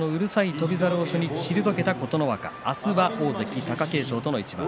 翔猿を退けた琴ノ若、明日は大関貴景勝との一番。